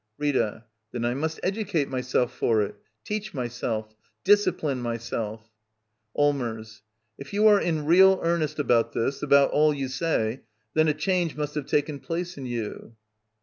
Rita. Then I must educate myself for it; teach myself; discipline myself. Allmers.. If you are in real earnest about this — about all you say — then a change must have taken place in you.